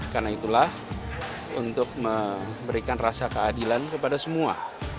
karena itulah untuk memberikan rasa keadilan kepada semua